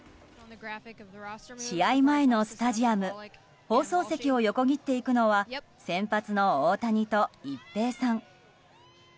試合前のスタジアム放送席を横切っていくのは先発の大谷と一平さん。